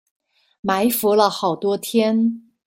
埋伏了好多天